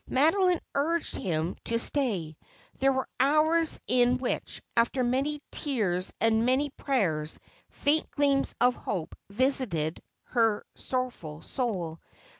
Madoline urged him to stay. There were hours in which, after many tears and many prayers, faint gleams of hope visited her sorrowful soul.